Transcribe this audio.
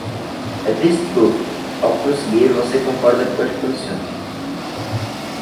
Aviso de cookies: ao prosseguir, você concorda com as condições